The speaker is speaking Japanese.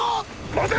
待て！